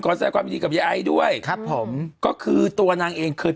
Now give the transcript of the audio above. ขอแสด็จความดีกับยไอด้วยครับผมก็คือตัวนางเองเคย